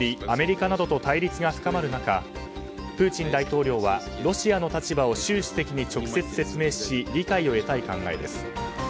アメリカなどと対立が深まる中プーチン大統領はロシアの立場を習主席に直接説明し理解を得たい考えです。